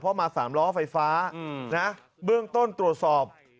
เพราะมา๓ล้อไฟฟ้านะเบื้องต้นตรวจสอบ